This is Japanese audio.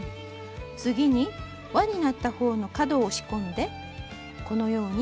次にわになった方の角を押し込んでこのように折ります。